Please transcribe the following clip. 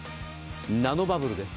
ナノバブルです。